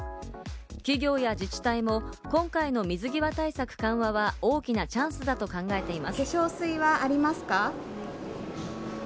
企業や自治体も今回の水際対策緩和は大きなチャンスだと考えています。